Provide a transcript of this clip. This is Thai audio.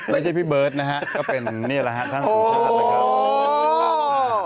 ไม่ใช่พี่เบิร์ทนะฮะก็เป็นนี่แหละครับทางสุชาตินะครับ